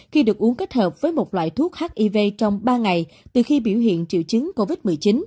khi được uống kết hợp với một loại thuốc hiv trong ba ngày từ khi biểu hiện triệu chứng covid một mươi chín